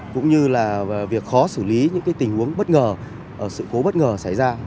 cũng như là việc khó xử lý những tình huống bất ngờ sự cố bất ngờ xảy ra